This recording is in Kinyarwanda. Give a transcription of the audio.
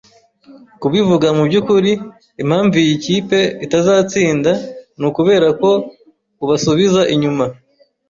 Kubivuga mubyukuri, impamvu iyi kipe itazatsinda ni ukubera ko ubasubiza inyuma